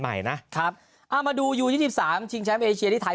ใหม่นะครับเอามาดูยูยี่สิบสามชิงแชมป์เอเชียที่ไทย